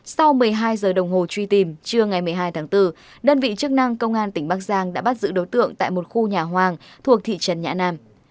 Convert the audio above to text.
sau một mươi hai giờ đồng hồ truy tìm trưa ngày một mươi hai tháng bốn đơn vị chức năng công an tỉnh bắc giang đã bắt giữ đối tượng tại một khu nhà hoàng thuộc thị trấn nhã nam